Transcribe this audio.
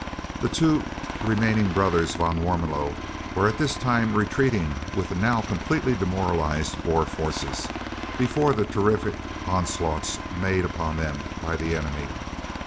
The two remaining brothers van Warmelo were at this time retreating with the now completely demoralised Boer forces, before the terrific onslaughts made upon them by the enemy.